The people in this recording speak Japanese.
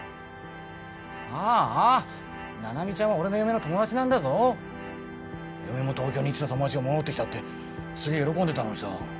あぁあ菜々美ちゃんは俺の嫁の友達なんだぞ。嫁も東京に行ってた友達が戻ってきたってすげぇ喜んでたのにさ。